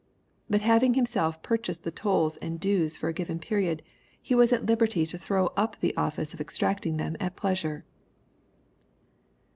But having himself purchased the tolls and dues for a given period, he was at Uberty to throw up the office of exacting them at pleasure."